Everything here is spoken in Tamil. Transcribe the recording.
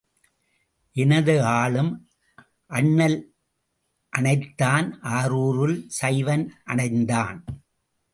எனை ஆளும் அண்ணல் அணைத்தான் ஆரூரில் சைவன் அணைந்தான்.